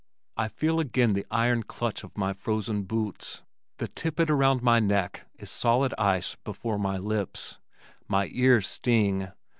I feel again the iron clutch of my frozen boots. The tippet around my neck is solid ice before my lips. My ears sting.